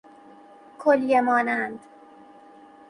کلیه مانند